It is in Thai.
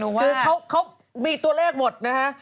เพียงดูทุกอย่างหนูว่าคือเขามีตัวเลขหมดนะฮะ